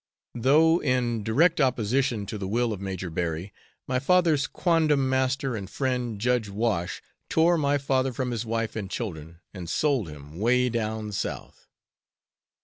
Though in direct opposition to the will of Major Berry, my father's quondam master and friend, Judge Wash tore my father from his wife and children and sold him "way down South!"